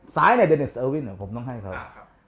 ซ้ายเนี่ยเดนิสเออร์วินผมต้องให้เขา